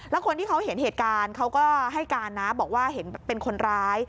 แล้วคนที่เขาเห็นเหตุการณ์เขาก็ให้การนะบอกว่าเห็นเป็นคนร้าย